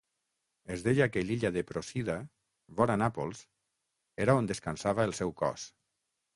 Es deia que l'illa de Procida, vora Nàpols, era on descansava el seu cos.